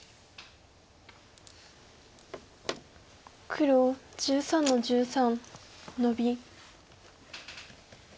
黒１３の十三ノビ。